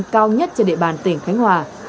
cao nhất trên địa bàn tỉnh khánh hòa